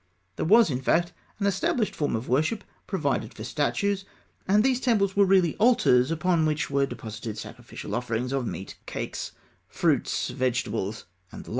There was, in fact, an established form of worship provided for statues, and these tables were really altars upon which were deposited sacrificial offerings of meat, cakes, fruits, vegetables, and the like.